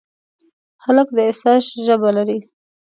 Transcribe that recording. هلک د احساس ژبه لري.